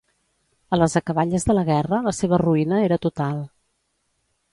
A les acaballes de la guerra la seva ruïna era total.